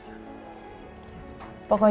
gigi tuh udah kasih peliharaan